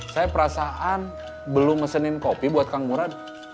saya perasaan belum mesenin kopi buat kang murad